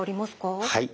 はい。